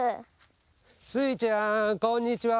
スイちゃんこんにちは。